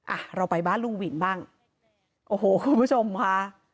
อ่ะเราไปบ้านลุงวินบ้างโอ้โหคุณผู้ชมค่ะ